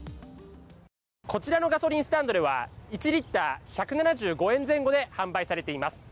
こちらのガソリンスタンドでは、１リットル＝１７５円前後で販売されています。